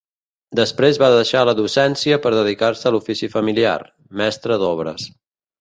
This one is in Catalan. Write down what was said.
Després va deixar la docència per dedicar-se a l'ofici familiar: mestre d'obres.